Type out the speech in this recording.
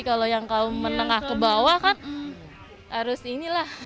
kalau yang menengah ke bawah kan harus ini lah